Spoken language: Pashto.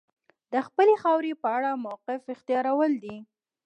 د خپلې خاورې په اړه موقف اختیارول دي.